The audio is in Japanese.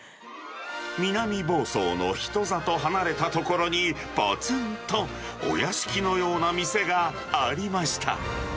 南房総の人里離れた所に、ぽつんとお屋敷のような店がありました。